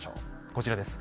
こちらです。